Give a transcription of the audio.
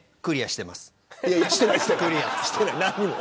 してない、何にも。